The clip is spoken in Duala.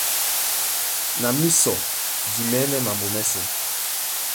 Na mísɔ di mɛ̌nɛ́ mambo mɛ́sɛ̄.